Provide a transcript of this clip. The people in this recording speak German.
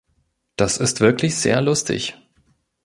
Das ist wirklich sehr lustig.